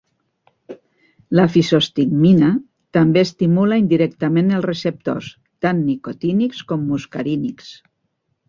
La fisostigmina també estimula indirectament els receptors tant nicotínics com muscarínics.